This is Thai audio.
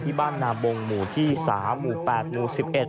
บ้านนาบงหมู่ที่๓หมู่๘หมู่๑๑